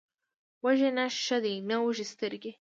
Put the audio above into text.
وږی نس ښه دی، نه وږې سترګې.